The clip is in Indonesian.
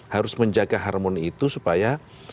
harus menjaga harmoni itu supaya